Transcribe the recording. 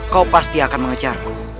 kau pasti akan mengejarku